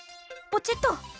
ポチッと。